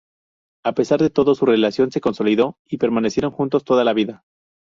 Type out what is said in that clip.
A pesar de todo su relación se consolidó y permanecieron juntos toda la vida.